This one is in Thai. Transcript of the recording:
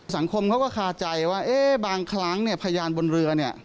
สังคมเขาก็คาใจว่าบางครั้งพยานบนเรือ